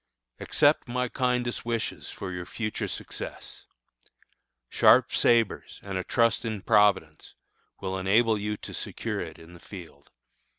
Accept my kindest wishes for your future success. Sharp sabres and a trust in Providence will enable you to secure it in the field.